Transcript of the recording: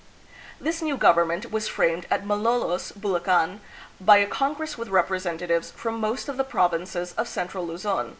This new government was framed at Malolos, Bulacan, by a congress with representatives from most of the provinces of central Luzon.